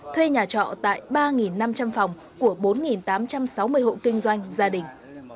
thuê nhà trọ tại ba năm trăm linh phòng của bốn tám trăm sáu mươi hộ kinh doanh gia đình